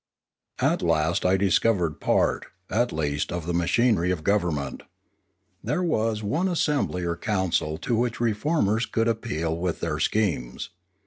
At last I discovered part, at least, of the machinery of government. There was one assembly or council to which reformers could appeal with their schemes.